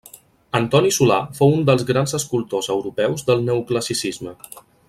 Antoni Solà fou un dels grans escultors europeus del Neoclassicisme.